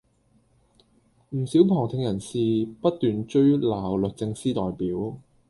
唔少旁聽人士不斷追鬧律政司代表